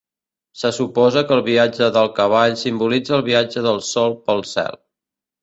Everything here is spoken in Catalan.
Se suposa que el viatge del cavall simbolitza el viatge del Sol pel cel.